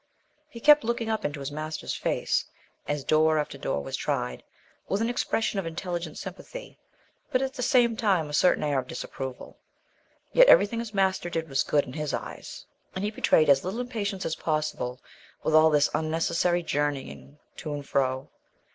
He kept looking up into his master's face, as door after door was tried, with an expression of intelligent sympathy, but at the same time a certain air of disapproval. Yet everything his master did was good in his eyes, and he betrayed as little impatience as possible with all this unnecessary journeying to and fro.